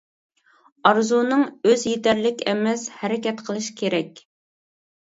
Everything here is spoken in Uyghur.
ئارزۇنىڭ ئۆزى يېتەرلىك ئەمەس، ھەرىكەت قىلىش كېرەك.